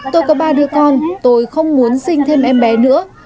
tôi có ba đứa con tôi không muốn sinh thêm em bé nữa